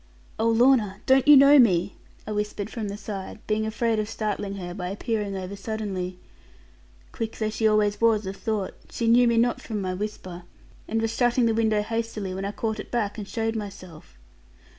'Oh, Lorna, don't you know me?' I whispered from the side, being afraid of startling her by appearing over suddenly. Quick though she always was of thought, she knew me not from my whisper, and was shutting the window hastily when I caught it back, and showed myself.